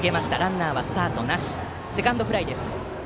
セカンドフライです。